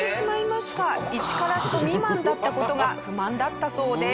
１カラット未満だった事が不満だったそうです。